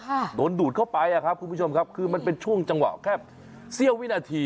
ค่ะโดนดูดเข้าไปอ่ะครับคุณผู้ชมครับคือมันเป็นช่วงจังหวะแค่เสี้ยววินาที